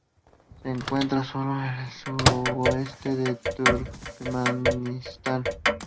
Se encuentra sólo en el sudoeste de Turkmenistán.